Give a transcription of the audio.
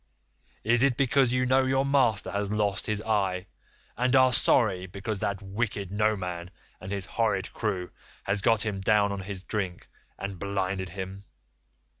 Is it because you know your master has lost his eye, and are sorry because that wicked Noman and his horrid crew has got him down in his drink and blinded him?